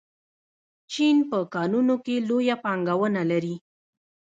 چین په کانونو کې لویه پانګونه لري.